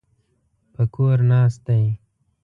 په کور ناست دی.